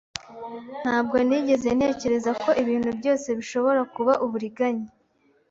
Ntabwo nigeze ntekereza ko ibintu byose bishobora kuba uburiganya.